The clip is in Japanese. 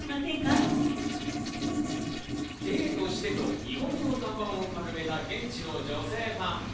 「デートとして」と日本語の看板を掲げた現地の女性ファン。